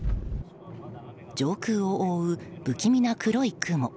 上空を覆う不気味な黒い雲。